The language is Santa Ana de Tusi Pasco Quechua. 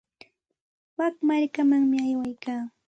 Wik markamanmi aywaykaa.